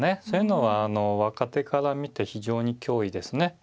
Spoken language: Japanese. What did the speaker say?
そういうのは若手から見て非常に脅威ですね。